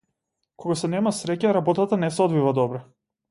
Кога се нема среќа работата не се одвива добро.